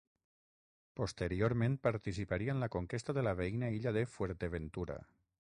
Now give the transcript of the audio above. Posteriorment participaria en la conquesta de la veïna illa de Fuerteventura.